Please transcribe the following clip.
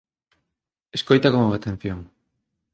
Escoita con atención